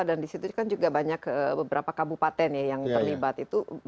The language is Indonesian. dan di situ kan juga banyak beberapa kabupaten ya yang terlibat itu bagaimana pak gop